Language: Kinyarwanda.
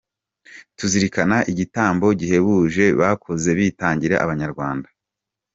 tuzirikana igitambo gihebuje bakoze bitangira abanyarwanda.